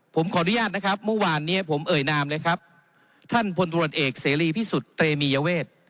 ผมขออนุญาตนะครับเมื่อวานเนี้ยผมเอ่ยนามเลยครับท่านพลตรวจเอกเสรีพิสุทธิเตมียเวท